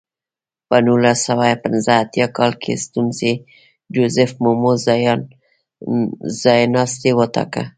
په نولس سوه پنځه اتیا کال کې سټیونز جوزیف مومو ځایناستی وټاکه.